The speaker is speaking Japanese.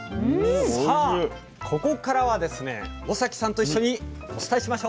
さあここからはですね尾碕さんと一緒にお伝えしましょう！